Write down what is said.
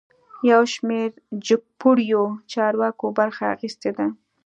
یوشمیر جګپوړیو چارواکو برخه اخیستې ده